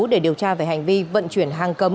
để điều tra về hành vi vận chuyển hàng cấm